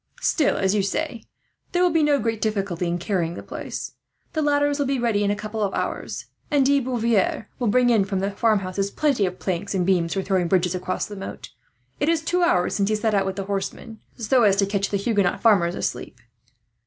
Still, as you say, there will be no great difficulty in carrying the place. The ladders will be ready in a couple of hours, and De Beauvoir will bring in, from the farmhouses, plenty of planks and beams for throwing bridges across the moat. It is two hours since he set out with the horsemen, so as to catch the Huguenot farmers asleep."